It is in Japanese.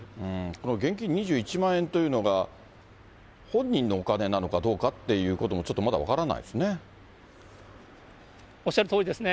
この現金２１万円というのが、本人のお金なのかどうかっていうところもちょっとまだ分からないおっしゃるとおりですね。